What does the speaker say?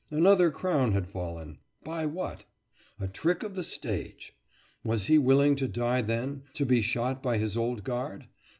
Another crown had fallen! By what? A trick of the stage! Was he willing to die then? to be shot by his old guard?